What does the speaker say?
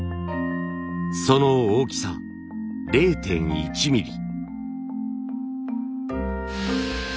その大きさ０．１ミリ。